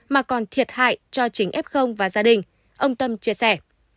mà còn thiệt hại cho chính f và gia đình ông tâm chia sẻ